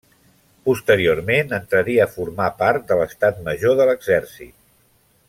Posteriorment entraria a formar part de l'Estat Major de l'Exèrcit.